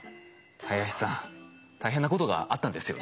林さん大変なことがあったんですよね。